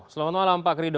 selamat malam pak krido